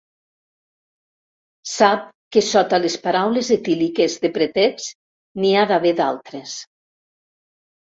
Sap que sota les paraules etíliques de pretext n'hi ha d'haver d'altres.